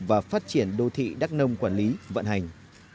và phát triển đô thị đắk nông quản lý vận hành